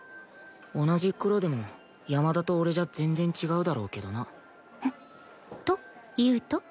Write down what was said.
同じ黒でも山田と俺じゃ全然違うだろうけどな。というと？